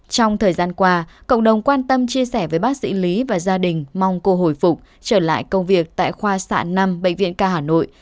trong thời gian qua cộng đồng quan tâm chia sẻ với bác sĩ lý và gia đình mong cô hồi phục trở lại công việc tại khoa xạ năm bệnh viện ca hà nội